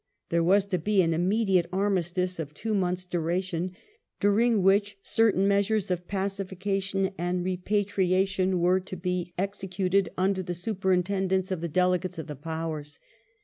There was to be an immediate armistice of two months* duration, during which certain measures of pacification and repatriation were to be 1878] ENGLAND AND RUSSIA 455 executed under the superintendence of the delegates of the Powers.